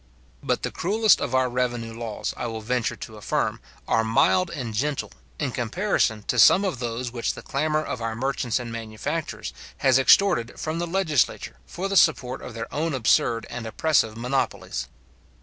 But the cruellest of our revenue laws, I will venture to affirm, are mild and gentle, in comparison to some of those which the clamour of our merchants and manufacturers has extorted from the legislature, for the support of their own absurd and oppressive monopolies.